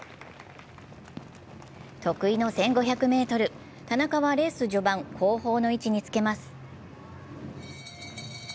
得意の１５００ｍ、田中はレース序盤、後方の位置につけます。